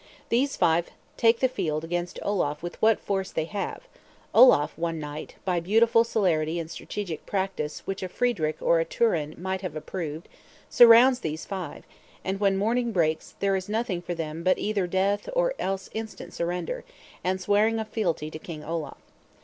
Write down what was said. These five take the field against Olaf with what force they have; Olaf, one night, by beautiful celerity and strategic practice which a Friedrich or a Turenne might have approved, surrounds these Five; and when morning breaks, there is nothing for them but either death, or else instant surrender, and swearing of fealty to King Olaf.